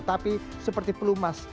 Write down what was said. tapi seperti pelumas